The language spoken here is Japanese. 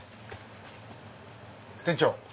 店長！